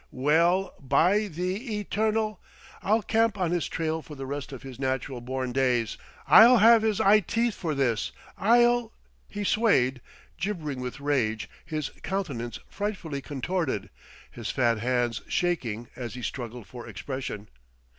Well by the Eternal! I'll camp on his trail for the rest of his natural born days! I'll have his eye teeth for this, I'll " He swayed, gibbering with rage, his countenance frightfully contorted, his fat hands shaking as he struggled for expression.